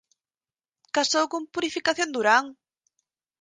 Casou con Purificación Durán.